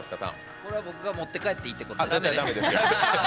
これは僕が持って帰っていいだめですよ。